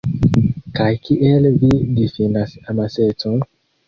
Kaj kiel vi difinas amasecon?